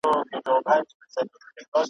غوايي هم وکړل پاچا ته سلامونه ,